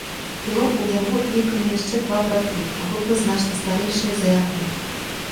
Было ў яго некалі яшчэ два браты, абодва значна старэйшыя за яго.